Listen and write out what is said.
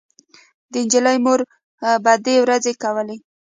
د نجلۍ مور بدې ورځې کولې